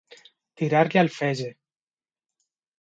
Tirar-li al fetge.